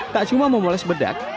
tak cuma memoles bedak